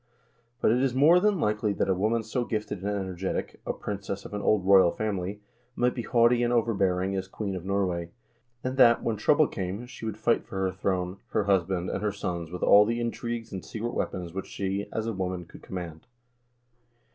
But it is more than likely that a woman so gifted and energetic, a princess of an old royal family, might be haughty and overbearing as queen of Norway, and that, when trouble came, she would fight for her throne, her husband, and her sons with all the intrigues and secret weapons which she, as woman, could command.